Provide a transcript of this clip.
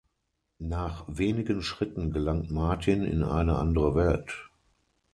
Nach wenigen Schritten gelangt Martin in eine andere Welt.